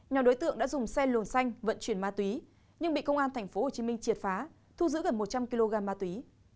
nhóm đối tượng đã dùng xe lồn xanh vận chuyển ma túy nhưng bị công an tp hcm triệt phá thu giữ gần một trăm linh kg ma túy